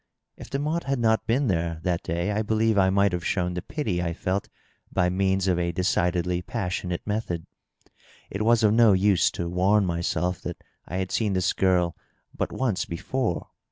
If Demotte had not been there^ that day^ I believe I mi^ht have shown the pity I felt by means of a decidedly passionate meuiod. It was of no use to warn myself that I had seen this girl but once before.